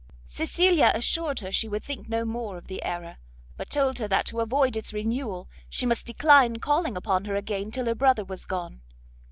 Cecilia assured her she would think no more of the error, but told her that to avoid its renewal, she must decline calling upon her again till her brother was gone.